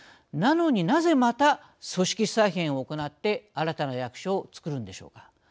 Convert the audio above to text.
なのに、なぜ、また組織再編を行って新たな役所を作るんでしょうか。